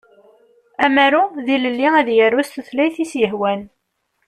Amaru d ilelli ad yaru s tutlayt i s-yehwan.